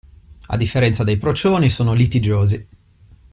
A differenza dei procioni, sono litigiosi.